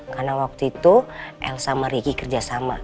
karena waktu itu elsa sama ricky kerja sama